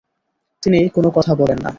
তিনি কোন কথা বলেন না।